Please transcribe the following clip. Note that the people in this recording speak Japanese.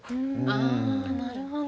ああなるほど。